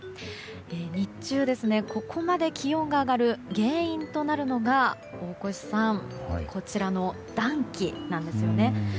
日中、ここまで気温が上がる原因となるのがこちらの暖気なんですよね。